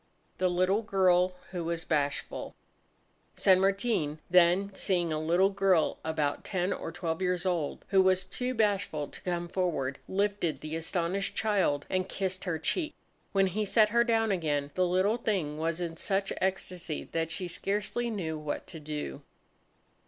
The Little Girl Who Was Bashful San Martin then seeing a little girl about ten or twelve years old, who was too bashful to come forward, lifted the astonished child and kissed her cheek. When he set her down again, the little thing was in such ecstasy that she scarcely knew what to do.